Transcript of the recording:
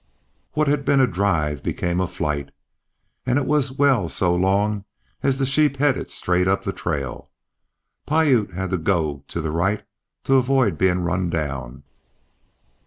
What had been a drive became a flight. And it was well so long as the sheep headed straight up the trail. Piute had to go to the right to avoid being run down.